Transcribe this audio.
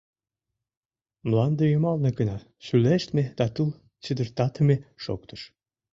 Мланде йымалне гына шӱлештме да тул чыдыртатыме шоктыш.